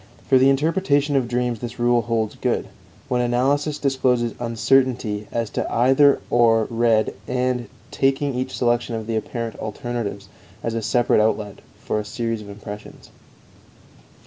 For the interpretation of dreams this rule holds good: When analysis discloses uncertainty, as to either or read and, taking each section of the apparent alternatives as a separate outlet for a series of impressions.